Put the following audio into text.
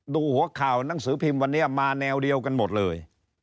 หัวข่าวหนังสือพิมพ์วันนี้มาแนวเดียวกันหมดเลย